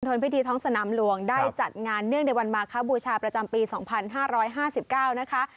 นพิธีท้องสนามหลวงได้จัดงานเนื่องในวันมาคบูชาประจำปี๒๕๕๙นะคะ